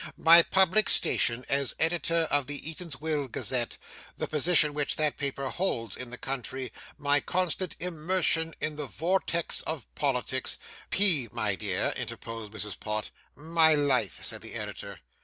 My public station, as editor of the Eatanswill Gazette, the position which that paper holds in the country, my constant immersion in the vortex of politics ' 'P. my dear ' interposed Mrs. Pott. 'My life ' said the editor.